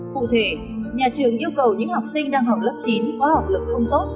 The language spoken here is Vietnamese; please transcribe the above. cụ thể nhà trường yêu cầu những học sinh đang học lớp chín có học lực không tốt